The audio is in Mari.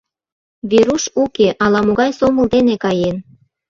Веруш уке, ала-могай сомыл дене каен.